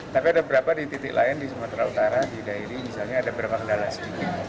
tapi ada beberapa di titik lain di sumatera utara di daerah ini misalnya ada beberapa kendala sedikit